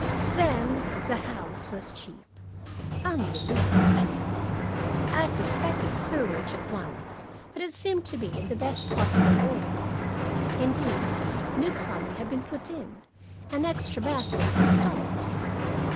Then, the house was cheap. Unbelievably cheap. I suspected sewerage at once, but it seemed to be in the best possible order. Indeed, new plumbing had been put in, and extra bathrooms installed.